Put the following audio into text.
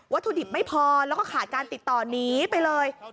ถุดิบไม่พอแล้วก็ขาดการติดต่อหนีไปเลย